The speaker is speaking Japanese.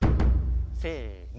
せの。